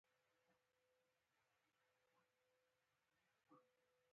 موږ قاتل هم تور ټکري ته بخښلی دی.